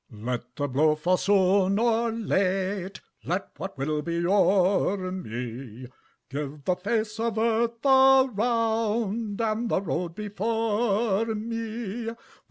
Let the blow fall soon or late, Let what will be o'er me; Give the face of earth around, And the road before me.